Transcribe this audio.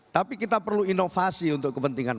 tapi kita perlu inovasi untuk kepentingan